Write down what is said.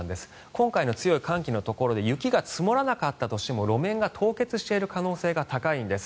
今回の強い寒気のところで雪が積もらなかったとしても路面が凍結している可能性が高いんです。